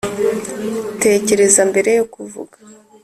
tekereza mbere yo kuvuga